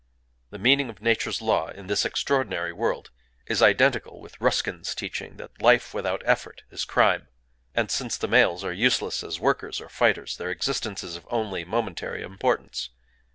The meaning of Nature's law, in this extraordinary world, is identical with Ruskin's teaching that life without effort is crime; and since the males are useless as workers or fighters, their existence is of only momentary importance.